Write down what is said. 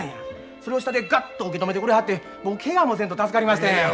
それを下でガッと受け止めてくれはって僕けがもせんと助かりましたんや。